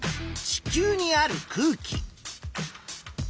地球にある空気。